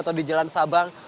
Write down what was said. atau di jalan sabang